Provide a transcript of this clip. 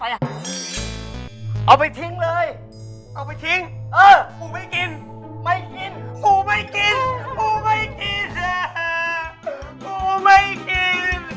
ปูไม่กิน